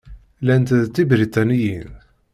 Llant d Tibriṭaniyin.